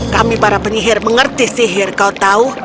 kami para penyihir mengerti sihir kau tahu